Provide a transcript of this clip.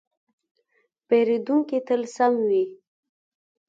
پیرودونکی تل سم وي.